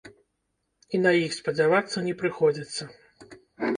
І на іх спадзявацца не прыходзіцца.